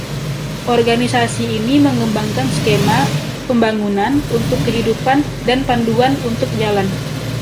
Organisasi ini mengembangkan skema Pembangunan untuk Kehidupan dan Panduan untuk Jalan.